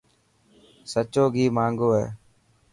سچو گهي مهانگو هي.